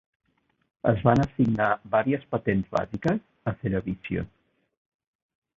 Es van assignar vàries patents bàsiques a Ceravision.